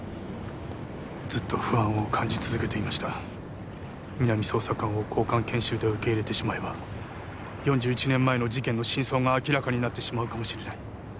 ずっと不安を感じ続けていました皆実捜査官を交換研修で受け入れてしまえば４１年前の事件の真相が明らかになってしまうかもしれない